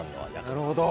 なるほど。